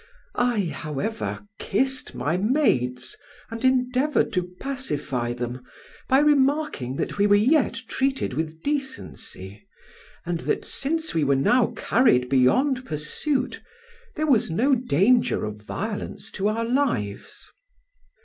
I, however, kissed my maids, and endeavoured to pacify them by remarking that we were yet treated with decency, and that since we were now carried beyond pursuit, there was no danger of violence to our lives.